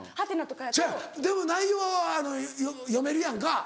そやでも内容読めるやんか